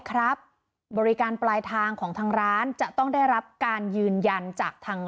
ครับบริการปลายทางของทางร้านจะต้องได้รับการยืนยันจากทาง